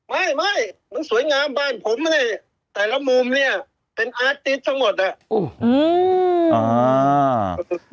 ไม่มันสวยงามบ้านผมในแต่ละมุมเป็นอารติสทั่วหมด